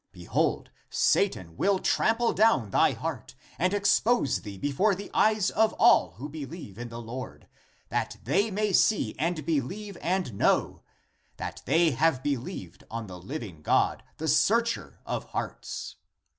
Behold, Satan will trample down thy heart and expose thee before the eyes of all who believe in the Lord, that they may see and believe and know, that they have believed on the living God, the searcher of hearts.